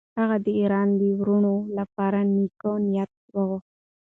هغه د ایران د وروڼو لپاره نېک نیت وغوښت.